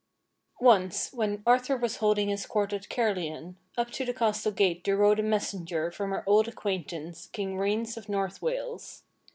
O NCE when Arthur was holding his court at Caerleon, up to the castle gate there rode a messenger from our old acquaint ance, King Rience of North Wales.